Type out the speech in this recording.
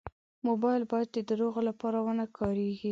موبایل باید د دروغو لپاره و نه کارېږي.